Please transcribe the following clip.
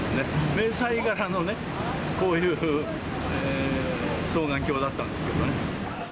迷彩柄のね、こういう双眼鏡だったんですけどね。